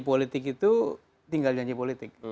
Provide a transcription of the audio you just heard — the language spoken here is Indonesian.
politik itu tinggal janji politik